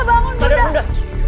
bunda bangun bunda